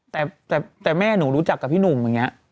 แต่แม่หนูรู้จักกับพี่หนุ่มอย่างนี้